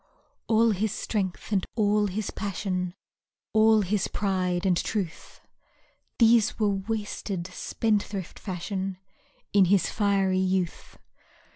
All his strength and all his passion, All his pride and truth, These were wasted, spendthrift fashion, In his fiery youth.